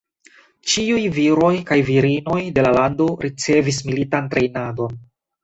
Ĉiuj viroj kaj virinoj de la lando ricevis militan trejnadon.